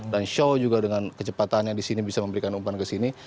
dan shaw juga dengan kecepatan yang di sini bisa memberikan umpan ke sini